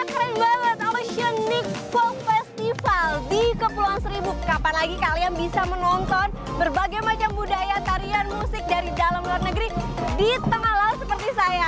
keren banget sama shion week fox festival di kepulauan seribu kapan lagi kalian bisa menonton berbagai macam budaya tarian musik dari dalam luar negeri di tengah laut seperti saya